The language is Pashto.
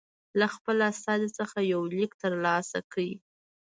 له خپل استازي څخه یو لیک ترلاسه کړ.